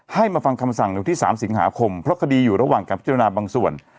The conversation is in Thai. มาฟังคำสั่งในวันที่๓สิงหาคมเพราะคดีอยู่ระหว่างการพิจารณาบางส่วน